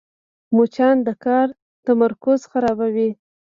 مچان د کار تمرکز خرابوي